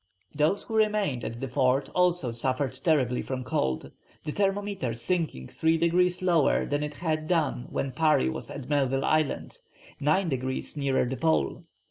Those who remained at the fort also suffered terribly from cold, the thermometer sinking three degrees lower than it had done when Parry was at Melville Island, nine degrees nearer the pole.